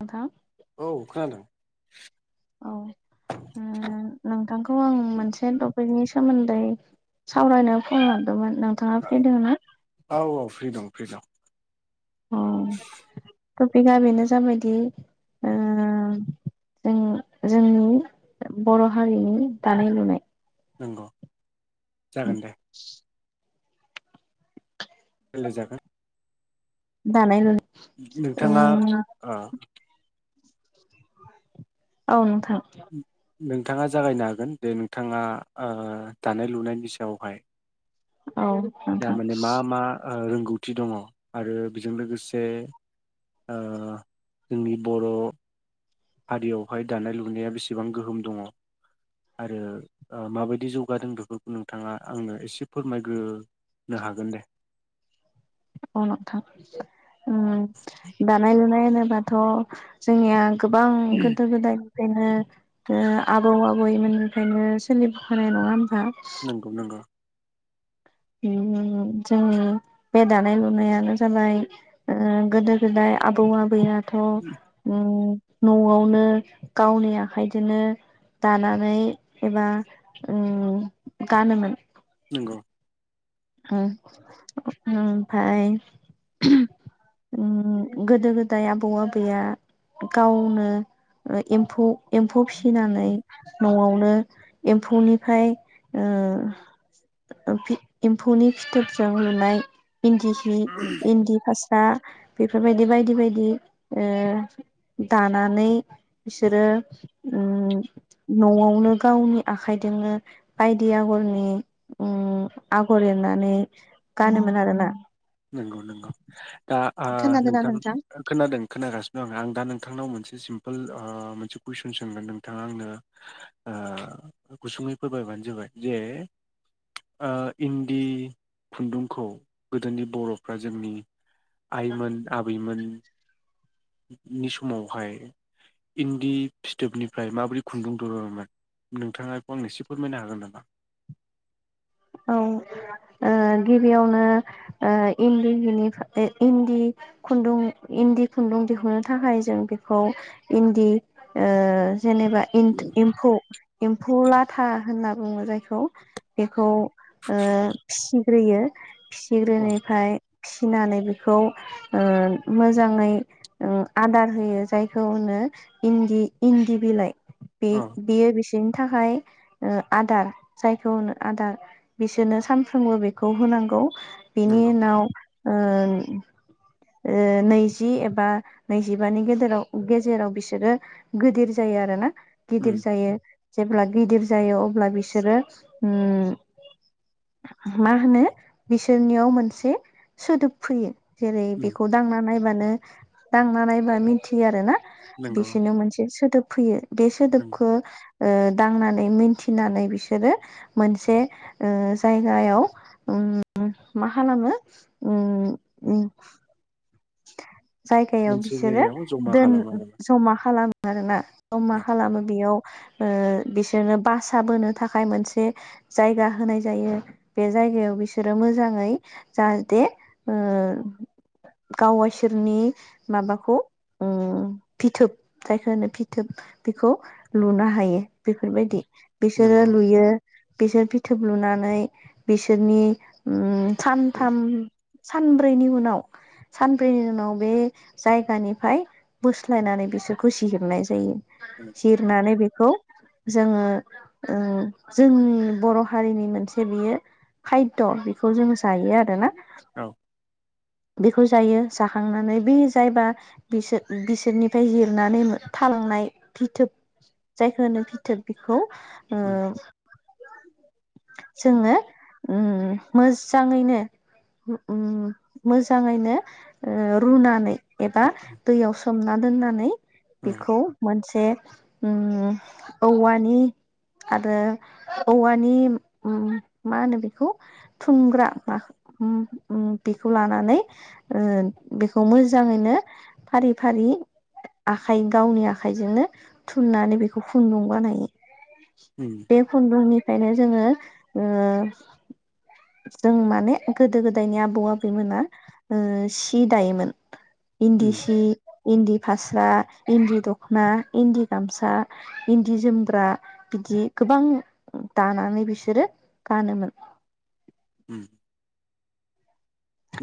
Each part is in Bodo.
नोंथां औ खोनादों औ नोंथांखौ आं मोनसे टपिकनि सोमोन्दै सावरायनो फन हर दोमोन नोंथाङा फ्रि दोङोना औ औ फ्रि दं फ्रि दं अ टपिकआ बेनो जाबायदि ओ जों जोंनि बर' हारिनि दानाय-लुनाय नंगौ जागोन दे रायलायजागोन दानाय-लुनाय नोंथाङा ओ औ नोंथां नोंथाङा जागायनो हागोन दे नोंथाङा ओ दानाय-लुनायनि सायावहाय औ नोंथां दामाने मा-मा रोंगौथि दङ आरो बेजों लोगोसे ओ जोंनि बर' हारियावहाय दानाय लुनाया बेसेबां गोहोम दङ आरो ओ माबायदि जौगादों बेफोरखौ नोंथाङा आंनो एसे फोरमायग्रो नो हागोन दे अनथा ओ दानाय लुनाय होनोबाथ जोंनिया गोबां गोदो गोदाय फ्रायनो ओ आबौ आबैमोननिफ्रायनो सोलिबफानाय नङा नोंगौ नोंगौ [inaudible] ओम जोंनि बे दानाय लुनायानो जाबाय ओ गोदो गोदाय आबौ आबैया थ ओम नआवनो गावनि आखाइजोंनो दानानै एबा ओम गानोमोन नोंगौ फ्राय ओमफ्राय ओम गोदो गोदाय आबौ आबैया गावनो एम्फौ एम्फौ फिसिनानै नआव नो एम्फौनिफ्राय ओ ओ फि एम्फौनि फिथोबजों लुनाय इन्दि सि इन्दि फा स्रा बेफोरबायदि बायदि बायदि ओ दानानै बिसोरो नआवनो गावनि आखाइजोंनो बायदि आगरनि उम आगर एरनानै गानोमोन आरोना नोंगौ नोंगौ दा आ नोंथां खोनादों खोनागासिनो आं आं दा नों थांनाव मोनसे सिम्पोल ओ मोनसे कुइसन सोंगोन नोंथाङा आंनो ओ गुसुं यै फोरमायबानो जाबाय जे ओ इन्दि खुन्दुंखौ गोदोनि बरफ्रा जोंनि आइमोन आबैमोन नि समावहाय इन्दि फिथोबनिफ्राय माबोरै खुन्दुं दुरोनोमोन नोंथाङा बेखौ आंनो एसे फोरमायनो हागोन नामा लांदां औ ओ गिबियावनो ओ इन्दि जिनिफ्रा ए इन्दि खुन्दुं इन्दि खुन्दुं दिहुननो थाखाय जों बेखौ इन्दि ओ जेनेबा एनथ एम्फौ एम्फौ लाथा होनना बुङो जायखौ बेखौ ओ फिसिग्रोयो फिसिग्रोनायफ्राय फिनानै बेखौ ओ मोजाङै ओ आदार होयो जायखौ होनो इन्दि इन्दि बिलाइ बे औ बियो बिसोरनि थाखाय ओ आदार जायखौ होनो आदार बिसोरनो सानफ्रोमबो बेखौ होनांगौ बिनि नंगौ उनाव ओ ओ नैजि एबा नैजिबानि गेदेराव गेजेराव बिसोरो गोदिर जायो आरो ना उम गिदिर जायो जेब्ला गिदिर जायो अब्ला बिसोरो ओम मा होनो बिसोरनियाव मोनसे सोदोब फैयो जेरै उम बेखौ दांना नायबानो दांना नायबा मिनथियो आरो ना नंगौ बिसोरनो मोनसे सोदोब फैयो बे नंगौ सोदोबखौ ओ दांनानै मिन्थिनानै बिसोरो मोनसे ओ जायगायाव ओम मा खालामो ओम ओम जायगायाव मोनसे बिसोरो जायगायाव जमा दोन खालामो आरो जमा खालामो आरोना औ मा ना खालामो बेयाव ओ बिसोरनो बासा बोनो थाखाय मोनसे जायगा होनाय जायो बे जाय जायो बिसोरो मोजाङै जाहाथे ओ गाव इसोरनि माबाखौ ओ फिथोब जायखौ होनो फिथोब बेखौ लुनो हायो बेफोरबायदि बिसोरो नंगौ लुयो बिसोर फिथोब लुनानै बिसोरनि उम सानथाम सानब्रैनि उनाव सानब्रैनि उनाव बे जायगानिफ्राय बोस्लायनानै बिसोरखौ सिहिरनाय जायो। जिरनानै बेखौ जोङो जोंनि बर' हारिनि मोनसे बियो खायद' बेखौ जों जायो आरोना। औ बेखौ जायो जाखांनानै बे जायबा बिसोर बिसोरनिफ्राय जिरनानै थाब नाय फिथोब जायखौ होनो फिथोब बेखौ ओ उम जोङो उम मोजाङैनो मोजाङैनो ओ रुनानै एबा दैयाव सोमना दोननानै उम बेखौ मोनसे से उम औवानि आरो औवानि उम मा होनो बेखौ थुमग्रा मा बेखौ लानानै ओ बेखौ मोजाङैनो फारि फारि आखाइ गावनि आखाइजोंनो थुननानै बेखौ खुन्दुं बानायो। उम बे खुन्दुनिफ्रायनो जोङो ओ जों माने गोदो गोदायनि आबौ आबैमोना ओ सि दायोमोन। इन्दि उम सि, इन्दि फास स्रा, इन्दि दख'ना, इन्दि गामसा, इन्दि जोमग्रा बिदि गोबां दानानै बिसोरो गानोमोन। उम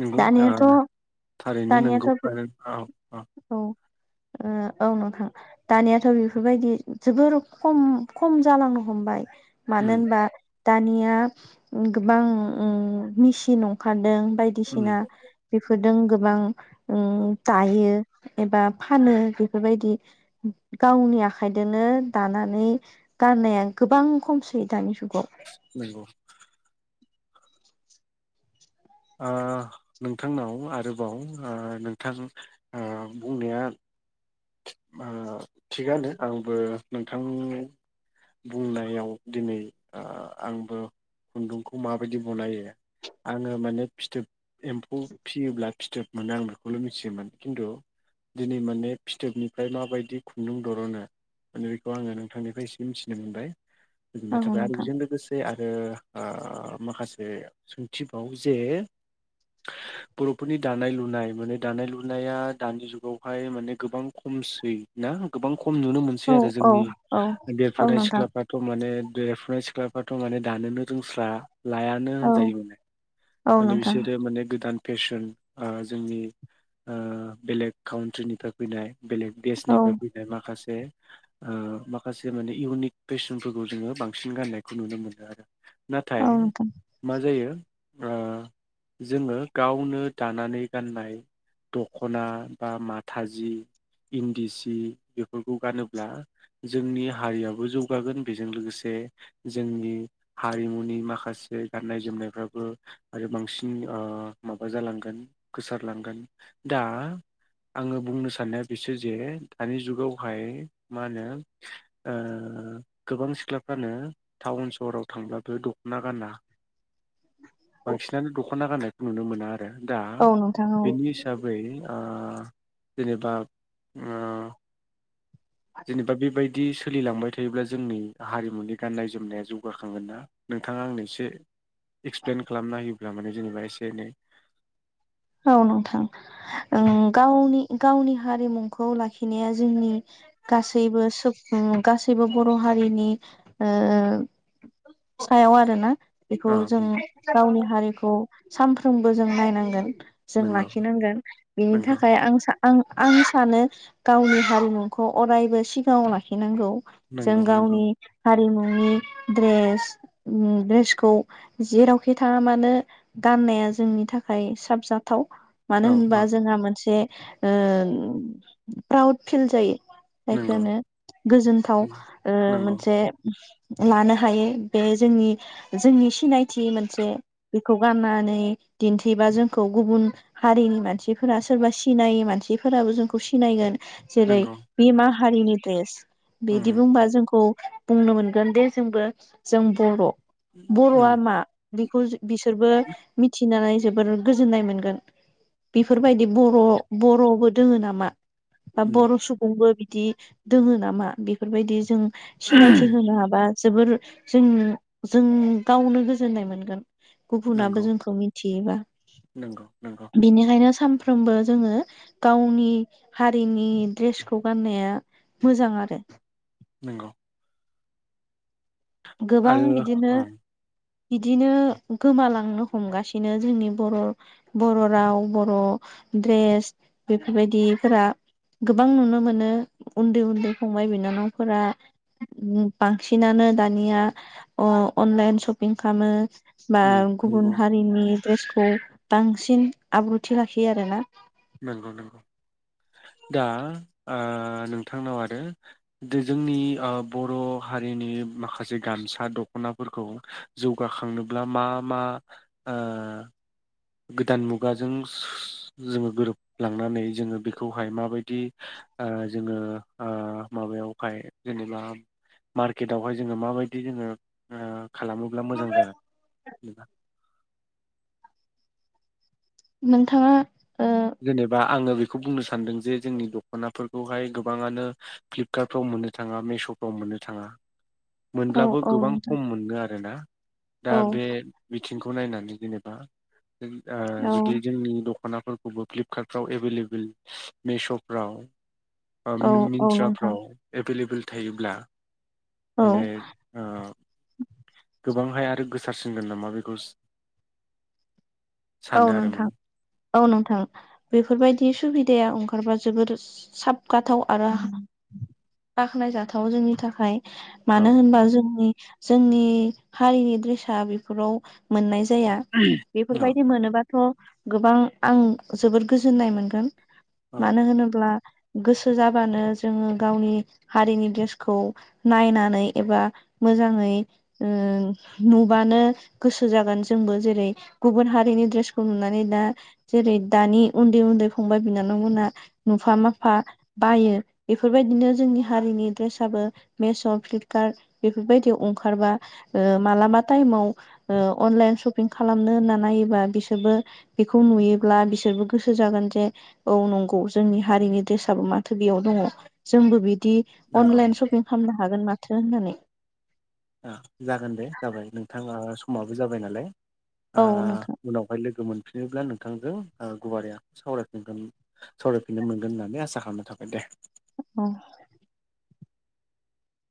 नंगौ ओ दानियाथ' थारैनो नंगौ दानियाथ' आरो औ औ। [inaudible] औ नोंथां दानियाथ' बेफोरबायदि जोबोर खम खम जालांनो हमबाय। मानो उम होनबा दानिया गोबां मेसिन अंखारदों। उम बायदिसिना बेफोरदों गोबां उम दायो। एबा फानो बेफोरबायदि गावनि आखाइजोंनो दानानै गाननाया गोबां खमसै दानि जुगाव। नंगौ ओ नोंथांनाव आरोबाव ओ नोंथां ओ बुंनाया ओ थिगानो आंबो नोंथांनि बुंनायाव दिनै आंबो खुन्दुंखौ माबायदि बनायो आङो माने फिथोब एम्फौ फियोब्ला फिथोब मोनो आं बेखौल' मिथियोमोन खिन्थु दिनै माने फिथोबनिफ्राय माबायदि खुन्दुं दर'नो माने बेखौ आङो नोंथांनिफ्राय एसे मिथिनो मोनबाय। औ गोजोननाय थाबाय आरो नोंथां बेजों लोगोसे आरो ओ माखासे सोंथिबाव जे बर'फोरनि दानाय लुनाय माने दानाय लुनाया दानि जुगावहाय माने गोबां खमसै ना गोबां ख खम नुनो औ मोनसै आरो औ जोंनि औ औ देरफुनाय नोंथां सिख्लाफ्राथ' माने देरफुनाय सिख्लाफ्राथ' माने दोनो रोंस्ला लायानो औ होनजायो। औ माने नोंथां बिसोरो माने गोदान फेसन ओ जोंनि ओ बेलेग काउन्ट्रिनिफ्राय फैनाय बेलेग औ देशनिफ्राय फैनाय माखासे ओ माखासे माने इउनिक फेसनफोरखौ जोङो बांसिन गाननायखौ नुनो मोनो आरो। औ नाथाय नोंथां मा जायो ओ [inaudible] जोङो गावनो दानानै गाननाय दख'ना बा माथा जि इन्दि सि बेफोरखौ गानोब्ला जोंनि हारियाबो जौगागोन बेजों लोगोसे से जोंनि हारिमुनि माखासे गाननाय जोमनायफ्राबो आरो बांसिन ओ माबा जालांगोन गोसारलांगोन दा आङो बुंनो साननाया बिसो जे दानि जुगावहाय मा होनो ओ गोबां सिख्लाफ्रानो टाउन सहराव थांब्लाबो दख'ना गाना [unintelligible] बांसिनानो दख'ना गाननायखौ नुनो मोना आरो दा औ नोंथां औ बेनि हिसाबै ओ जेनेबा [unintelligible] जेनेबा बेबायदि बिदि सोलिलांबाय थायोब्ला जोंनि हारिमुनि गाननाय जोमनाया जौगाखांगोन ना नोंथाङा आंनो एसे एक्सप्लेन खालामना होयोब्ला माने जेनेबा एसे एनै औ नोंथां ओ गावनि गावनि हारिमुखौ लाखिनाया जोंनि गासैबो सुबुं गासैबो बर' हारि हारिनि ओ सायाव आरोना बेखौ औ जों गावनि हारिखौ सानफ्रोमबो जों नायनांगोन। जों नंगौ लाखिनांगोन बिनि नंगौ थाखाय आं सा आं आं सानो गावनि हारिमुखौ अरायबो सिगाङाव लाखिनांगौ जों नंगौ नंगौ गावनि हारिमु नि द्रेस द्रेसखै जेरावखि थाङ मानो गनाया जोंनि थाखाय साबजाथाव मानो औ होनबा औ जोंहा मोनसे ओ प्राउद फिल जायो। जायखो नंगौ होनो गोजोनथाव नंगौ मोनसे लानो हायो बे जोंनि जोंनि सिनायथि मोनसे बेखौ गाननानै दिन्थिबा जोंखौ गुबुन हारिनि मानसिफोरा सोरबा सिनायै मानसिफोराबो जोंखौ सिनायगोन जेरै नंगौ बिमाहारिनि दड्रेस उम बिदि बुंबा जोंखौ बुंनो मोनगोन दे जोंबो जों बर' उम बर'आ मा बेखौ बिसोरबो मिथिनानै जोबोर गोजोन गोजोननाय मोनगोन बेफोरबायदि बर' बर'बो दोङो नामा। बा उम बर' सुबुंबो बिदि दोङो नामा बेफोरबायदि जों सिनायथि होनो हाबा जोबोर जों जों गावनो गोजोननाय मोनगोन नंगौ गुबुनाबो जोंखौ मिथियोबा नंगौ नंगौ बिनिखायनो सानफ्रोमबो जोङो गावनि हारिनि दड्रेसखौ गाननाया मोजां आरो नंगौ गोबां आरो बिदिनो उम बिदिनो गोमालांनो हमगासिनो जोंनि बर' बर' राव बर' द्रेस बेफोरबायदिफोरा गोबां नुनो मोनो उन्दै उन्दै फंबाय बिनानावफोरा बांसिनानो दानिया अनलाइन सपिं खालामो बा उम गुबुन नंगौ हारिनि द्रेसखौ बांसिन आब्रुथि लाखियो आरोना। नंगौ नंगौ दा ओ नोंथांनाव आरो जोंनि ओ बर' हारि जोंनि माखासे गामसा दख'नाफोरखौ जौगाखांनोब्ला मा मा [unintelligible] गोदान मुगाजों जोङो गोरोबलांनानै जोङो बेखौहाय माबायदि ओ जोङो ओ माबायावहाय जेनेबा मार्केटावहाय जोङो माबायदि जोङो खालामोब्ला मोजां जागोन नोंथाङा खौ बुंनो सानदों जे जोंनि दख'नाफोरखौहाय गोबांङानो फ्लिपकार्टाव मोननो थाङा मिश' फ्राव मोन नो थांङा [inaudible] मोनब्लाबो औ औ गोबां नोंथां खम मोनो आरोना दा औ बे बिथिंखौ नायनानै जेनेबा [unintelligible] अ औ जुदि दखनाफोर खौ फ्लिपकार्टफ्राव एभेलेबल मिशफ्राव औ औ नोंथां मिन्त्राफ्राव एभेलेबेल थायोब्ला औ माने ओ गोबांहाय आरो गोसारसिनगोन नामा बेखौ औ सानो आरो नोंथां माने औ नोंथां बेफोरबायदि सुबिदाया ओंखारबा जोबोर साबगाथाव आरो हा बाख्नाय जाथाव जोंनि थाखाय औ मानो होनबा जोंनि जोंनि हारिनि ड्रेसा बेफोराव मोननाय जाया औ बेफोरबाय मोनोबाथ गोबां आं जोबोद गोजोननाय मोनगोन औ मानो होनोब्ला गोसो जाबानो जोंङो गावनि हारिनि ड्रेसखौ नायनानै एबा मोजांङै ओ नुबानो गोसो जागोन जोंबो जेरै गुबुन हा रिनि द्रेसखौ नुनानै दा जेरै दानि उन्दै उन्दै फंबाय बिनानावमोना नुफा माफा फा बायो बेफोरबायदिनो जोंनि हारिनि ड्रेसाबो मेश फ्लिपकार्ट बेफोर बायदि अंखारबा ओ मालाबा टाइमाव ओ अनलाइन शपिं खालामनो होनना नाय बां बिसोरबो बेखौ नुयोब्ला बिसोरबो गोसो जागोन जे औ नंगौ जोंनि हारिनि डेसाबो माथो बेयाव दंङ जोंबो बि बिदि नंगौ अनलाइन सपिं खालामनो हागोन माथो होननानै ओ जागोन दे जाबाय नोंथाङा समाबो जाबाय नालाय औ ओ नोंथां उनावहाय लोगो मोन फिनोब्ला नोंथांजों गुवारिैया सावरायफिनगोन सावरायफिननो मोनगोन होननानै आसा खालामनो थाखायाबाय दे अ